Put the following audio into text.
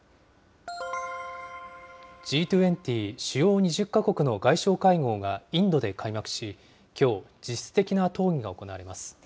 Ｇ２０・主要２０か国の外相会合がインドで開幕し、きょう、実質的な討議が行われます。